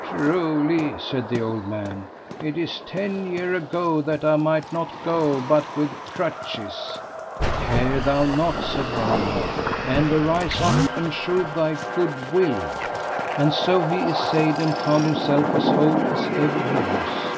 Truly, said the old man, it is ten year ago that I might not go but with crutches. Care thou not, said Galahad, and arise up and shew thy good will. And so he assayed, and found himself as whole as ever he was.